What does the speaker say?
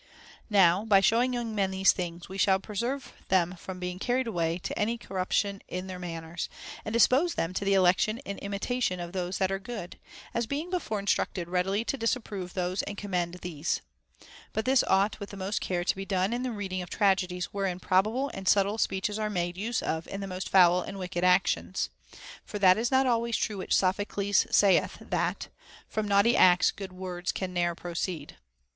Now, by showing young men these things, we shall pre serve them from being carried away to any corruption in their manners, and dispose them to the election and imita tion of those that are good, as being before instructed readily to disapprove those and commend these. But this ousht with the most care to be done in the reading of tragedies wherein probable and subtle speeches are made use of in the most foul and wicked actions. For that is not always true which Sophocles saith, that From naughty acts good words can ne'er proceed.